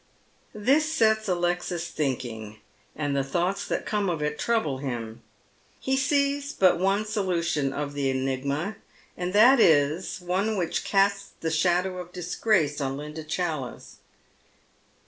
This sets Alexis thinking, and the thoughts that come of it trouble him. He sees but one solution of the enigma, and that is one which casts the shadow of disgrace on Linda Challice.